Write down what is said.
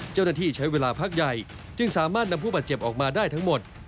เจ้าหน้าที่ใช้เวลาพักใหญ่จึงสามารถนำผู้บาดเจ็บออกมาได้ทั้งหมด